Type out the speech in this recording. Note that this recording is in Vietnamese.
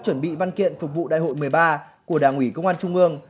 chuẩn bị văn kiện phục vụ đại hội một mươi ba của đảng ủy công an trung ương